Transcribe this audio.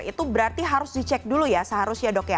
itu berarti harus dicek dulu ya seharusnya dok ya